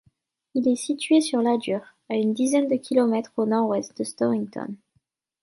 Il est situé sur l'Adur, à une dizaine de kilomètres au nord-ouest de Storrington.